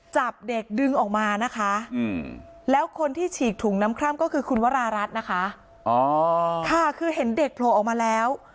จับเด็กดึงออกมานะคะแล้วคนที่ฉีกถุงน้ำคร่ำก็คือคุณวรารัฐนะคะค่ะคือเห็นเด็กโผล่ออกมาแล้ว